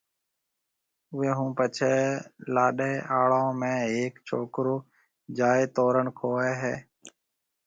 اوئيَ ھون پڇيَ لاڏَي ھاݪون ۾ ھيَََڪ ڇوڪرو جائيَ تورڻ کوڙَي ھيََََ